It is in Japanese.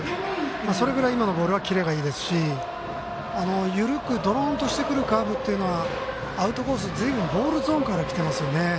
それぐらい今のボールはキレがいいですし緩く、どろーんとしてくるカーブというのはアウトコース、ずいぶんボールゾーンから出ていますよね。